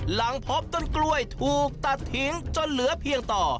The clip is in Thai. หลังพบต้นกล้วยถูกตัดทิ้งจนเหลือเพียงต่อ